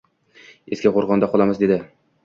Eski qo‘rg‘onda qolamiz dedi